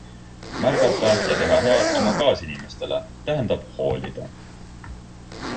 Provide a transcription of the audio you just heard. Märgata ja teha head oma kaasinimestele - tähendab hoolida.